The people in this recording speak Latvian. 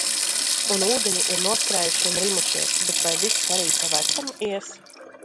Un ūdeņi ir noskrējuši un rimušies, bet vai viss arī pa vecam ies?